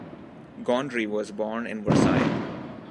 Gondry was born in Versailles.